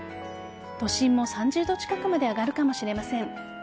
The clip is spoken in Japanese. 都心も３０度近くまで上がるかもしれません。